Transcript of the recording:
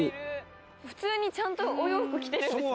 普通にちゃんとお洋服着てるんですね。